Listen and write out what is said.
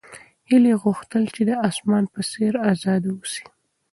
هیلې غوښتل چې د اسمان په څېر ازاده اوسي.